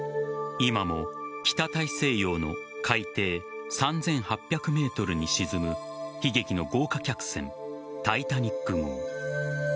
今も北大西洋の海底３８００ｍに沈む悲劇の豪華客船「タイタニック」号。